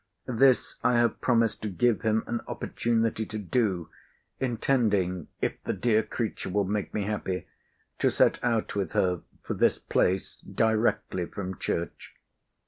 This I have promised to give him an opportunity to do: intending, if the dear creature will make me happy, to set out with her for this place directly from church.